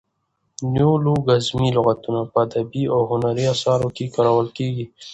نیولوګیزمي لغاتونه په ادبي او هنري اثارو کښي کارول کیږي.